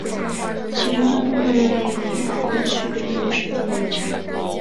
其中的部分热带雨林保护区被列入世界遗产。